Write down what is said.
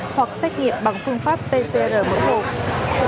hoặc xét nghiệm bằng phương pháp pcr mẫu hộp